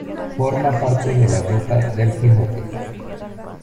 Forma parte de la Ruta del Quijote.